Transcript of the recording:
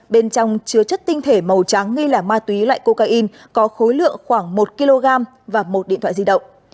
bên trong chứa chất tinh thể màu trắng nghi là ma túy loại cocaine có khối lượng khoảng một kg và một điện thoại di động